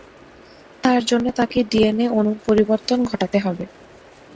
তার জন্যে তাকে ডিএনএ অণুর পরিবর্তন ঘটাতে হবে।